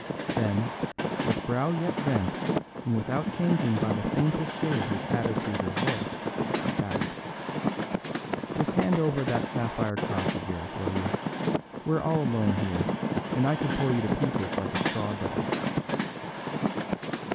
Then, with brow yet bent and without changing by the faintest shade his attitude or voice, he added: "Just hand over that sapphire cross of yours, will you? We're all alone here, and I could pull you to pieces like a straw doll."